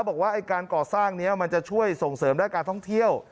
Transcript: บอกว่าการก่อสร้างนี้มันจะช่วยส่งเสริมด้านการท่องเที่ยว